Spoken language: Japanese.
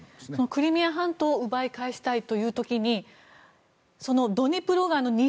クリミア半島を奪い返したいという時にドニプロ川の西